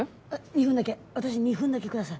２分だけ私に２分だけください。